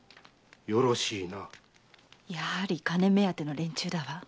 やはり金目当ての連中だわ。